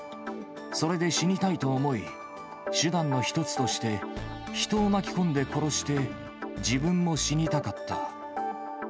それで死にたいと思い、手段の一つとして人を巻き込んで殺して、自分も死にたかった。